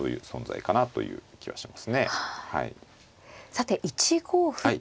さて１五歩と。